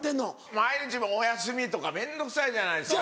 毎日「おやすみ」とか面倒くさいじゃないですか。